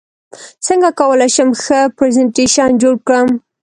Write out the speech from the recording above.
څنګه کولی شم ښه پرزنټیشن جوړ کړم